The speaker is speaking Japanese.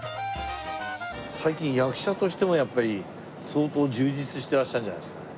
最近役者としてもやっぱり相当充実してらっしゃるんじゃないですかね？